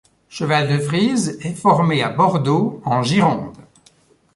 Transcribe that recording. Cheval de frise est formé à Bordeaux, en Gironde.